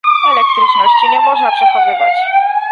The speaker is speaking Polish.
Elektryczności nie można przechowywać